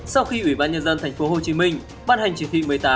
sau khi ủy ban nhân dân thành phố hồ chí minh ban hành chỉ thị một mươi tám